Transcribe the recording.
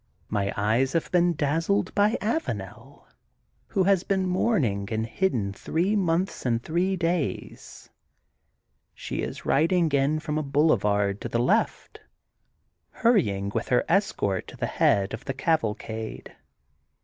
My eyes have been dazzled by Avanel, who has been mourning and hid den three months and three days; she is rid 800 THE GOLDEN BOOK OF SPRINGFIELD ing in from a boulevard to the left, hurrying with her escort to the head of the cavalcade.